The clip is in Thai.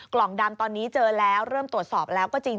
กล่องดำตอนนี้เจอแล้วเริ่มตรวจสอบแล้วก็จริง